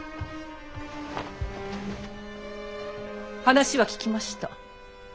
話は聞きました。